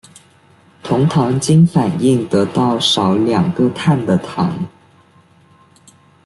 酮糖经反应得到少两个碳的糖。